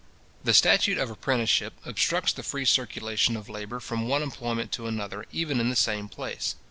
The statute of apprenticeship obstructs the free circulation of labour from one employment to another, even in the same place.